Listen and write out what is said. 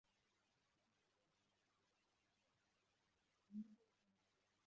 Imbwa yijimye ihagaze ku mucanga iruhande rwa yubururu